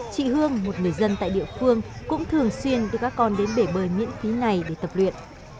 chị hương một người dân tại địa phương cũng thường xuyên đưa các con đến bể bơi miễn phí này để tập luyện